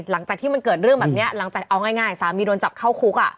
หลังจากที่มันเกิดเรื่องแบบนี้หลังจากเอาง่ายสามีโดนจับเข้าคุก